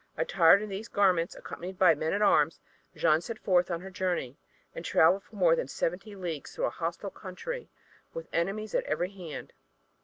Attired in these garments and accompanied by men at arms Jeanne set forth on her journey, and traveled for more than seventy leagues through a hostile country with enemies on every hand.